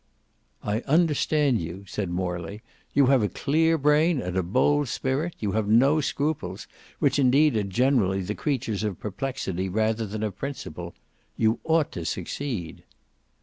"I understand you," said Morley. "You have a clear brain and a bold spirit; you have no scruples, which indeed are generally the creatures of perplexity rather than of principle. You ought to succeed."